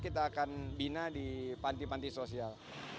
kita akan bina di panti panti sosial